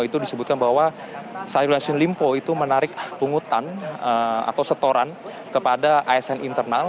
itu disebutkan bahwa syahrul yassin limpo itu menarik pungutan atau setoran kepada asn internal